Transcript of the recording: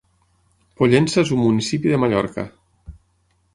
Pollença és un municipi de Mallorca.